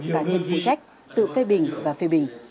cả nhiệm vụ trách tự phê bình và phê bình